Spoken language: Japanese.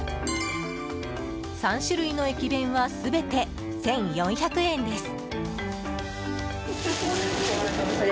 ３種類の駅弁は全て１４００円です。